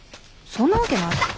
そんなわけない。